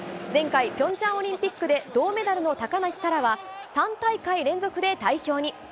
前回、平昌オリンピックで銅メダルの高梨沙羅は３大会連続で代表に。